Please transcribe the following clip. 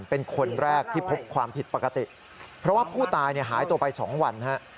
เป็นคนแรกที่พบความผิดปกติเพราะว่าผู้ตายหายตัวไป๒วันฮะ